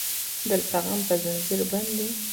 دلته غم په زنځير بند دی